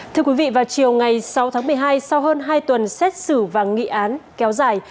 thưa quý vị vào chiều ngày sáu tháng một mươi hai sau hơn hai tuần xét xử và nghị án kéo dài